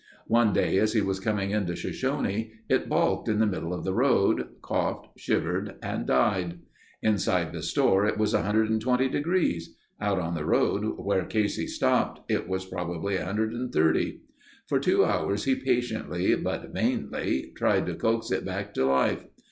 One day as he was coming into Shoshone it balked in the middle of the road, coughed, shivered, and died. Inside the store it was 120 degrees. Out on the road where Casey stopped it was probably 130. For two hours he patiently but vainly tried to coax it back to life.